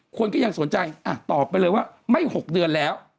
คนก็ยังสนใจตอบไปเลยว่าไม่๖เดือนแล้ว